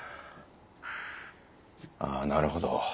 あぁなるほど。